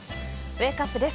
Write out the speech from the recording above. ウェークアップです。